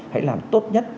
hãy làm tốt nhất